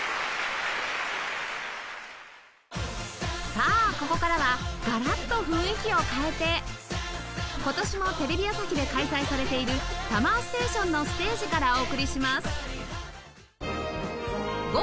さあここからはガラッと雰囲気を変えて今年もテレビ朝日で開催されている ＳＵＭＭＥＲＳＴＡＴＩＯＮ のステージからお送りします